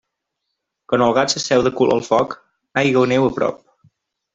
Quan el gat s'asseu de cul al foc, aigua o neu a prop.